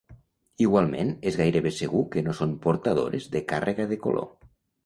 Igualment és gairebé segur que no són portadores de càrrega de color.